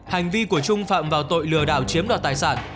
hành vi của trung phạm vào tội lừa đảo chiếm đoạt tài sản